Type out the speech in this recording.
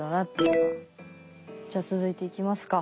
じゃあ続いていきますか。